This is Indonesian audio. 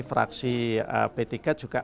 fraksi b tiga juga